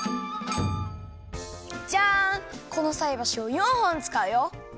このさいばしを４ほんつかうよ！